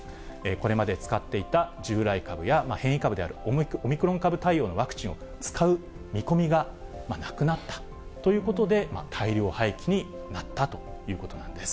これまで使っていた従来株や変異株であるオミクロン株対応のワクチンを使う見込みがなくなったということで、大量廃棄になったということなんです。